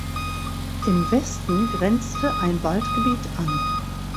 Im Westen grenzte ein Waldgebiet an.